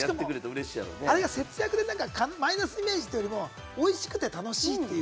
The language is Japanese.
節約でマイナスイメージというより、おいしくて楽しいっていう。